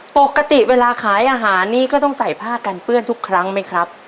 ปกติเวลาขายอาหารนี้ก็ต้องใส่ผ้ากันเปื้อนทุกครั้งไหมครับ